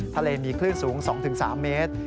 ทะเลมีคลื่นสูง๒๓เมตร